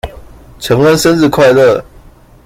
承恩生日快樂！